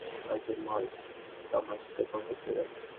তিনি শুধু একজন মহান চিকিৎসকই ছিলেন না, তিনি একজন মহান সমাজসেবকও ছিলেন।